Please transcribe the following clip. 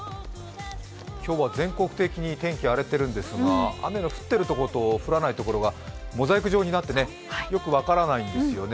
今日は全国的に天気荒れてるんですが雨の降っているところと降らないところがモザイク状になって、よく分からないんですよね。